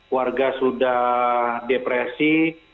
warga sudah depresi